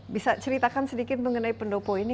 bisa ceritakan sedikit mengenai pendopo ini